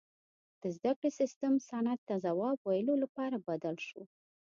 • د زدهکړې سیستم صنعت ته ځواب ویلو لپاره بدل شو.